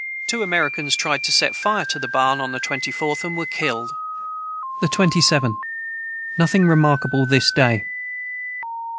Two Americans tried to set fire to the barn on the 24th, and were killed.] the 27. Nothing remarkable this day.